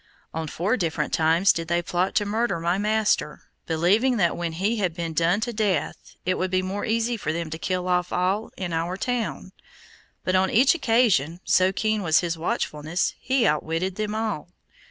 On four different times did they plot to murder my master, believing that when he had been done to death, it would be more easy for them to kill off all in our town; but on each occasion, so keen was his watchfulness, he outwitted them all.